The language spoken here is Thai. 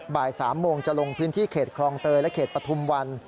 บ่าย๓โมงจะลงพื้นที่เขตคลองเตยและเขตปฐุมวัน